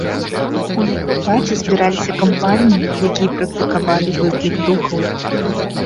У яго хаце збіраліся кампаніі, якія практыкавалі выклік духаў.